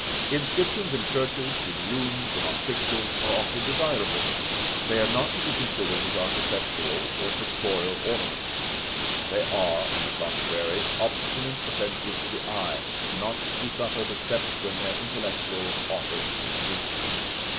Inscriptions in churches, in rooms, and on pictures, are often desirable, but they are not to be considered as architectural or pictorial ornaments: they are, on the contrary, obstinate offences to the eye, not to be suffered except when their intellectual office introduces them.